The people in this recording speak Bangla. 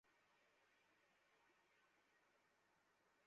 আয় কিছু খেয়ে নে।